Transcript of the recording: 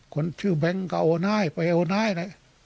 คนชื่อแบงก์ก็โอน่ายไปโอน่ายเลย